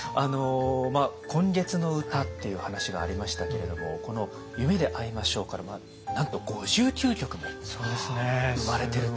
「今月の歌」っていう話がありましたけれどもこの「夢であいましょう」からなんと５９曲も生まれてると。